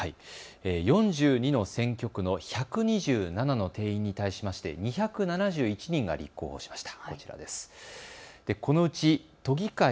４２の選挙区の１２７の定員に対しまして２７１人が立候補しました。